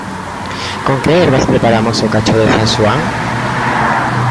Con que herbas preparamos o cacho de San Xoán?